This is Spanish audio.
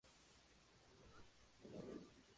Hay tres ediciones en El Salvador.